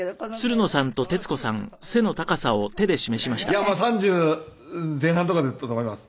いやまあ３０前半とかだったと思います。